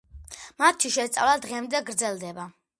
მათი შესწავლა დღემდე გრძელდება.